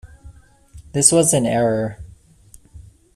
This was an error.